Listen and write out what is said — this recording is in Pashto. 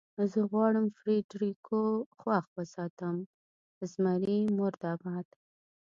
زه غواړم فرېډرېکو خوښ وساتم، زمري مرده باد.